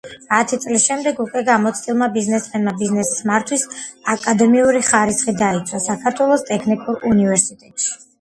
ათი წლის შემდეგ, უკვე გამოცდილმა ბიზნესმენმა, ბიზნესის მართვის აკადემიური ხარისხი დაიცვა საქართველოს ტექნიკურ უნივერსიტეტში.